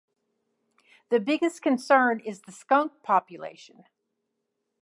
The biggest concern is the skunk population.